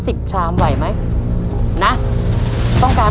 เพื่อชิงทุนต่อชีวิตสุด๑ล้านบาท